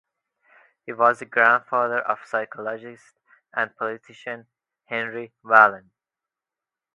He was the grandfather of psychologist and politician Henri Wallon.